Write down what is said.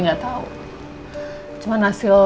nggak tahu cuma hasil